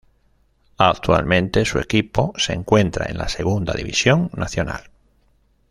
Actualmente su equipo se encuentra en la segunda división nacional.